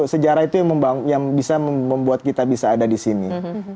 sejarah itu yang bisa membuat kita bisa ada di sini